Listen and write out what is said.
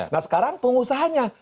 nah sekarang pengusahanya